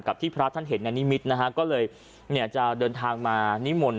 กับที่พระท่านเห็นในนิมิตรนะครับก็เลยจะเดินทางมานิมนตร์